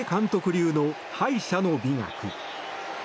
流の敗者の美学。